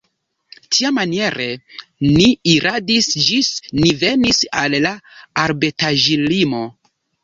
Tiamaniere ni iradis ĝis ni venis al la arbetaĵlimo.